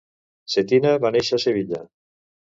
Cetina va néixer a Sevilla.